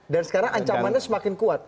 sekarang ancamannya semakin kuat